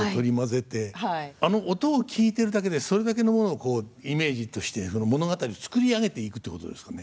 あの音を聴いてるだけでそれだけのものがイメージとしてその物語を作り上げていくってことですかね。